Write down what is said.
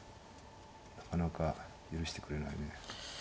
なかなか許してくれないね。